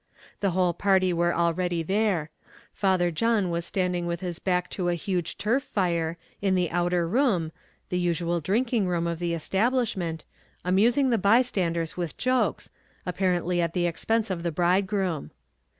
The whole party were already there: Father John was standing with his back to a huge turf fire, in the outer room the usual drinking room of the establishment amusing the bystanders with jokes, apparently at the expense of the bridegroom.